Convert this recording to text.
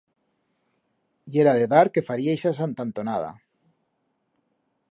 Yera de dar que faría ixa santantonada.